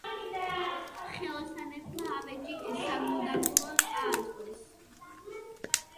ხელოსნებმა ავეჯი საგულდაგულოდ ააწყვეს